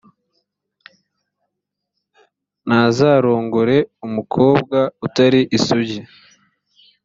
ntazarongore umukobwa uteri isugi